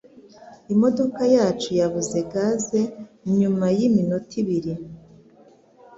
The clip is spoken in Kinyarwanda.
Imodoka yacu yabuze gaze nyuma yiminota ibiri.